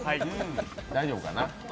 大丈夫かな。